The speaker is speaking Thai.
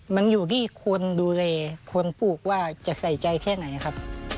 มันอยู่ที่คนดูแลคนปลูกว่าจะใส่ใจแค่ไหนครับ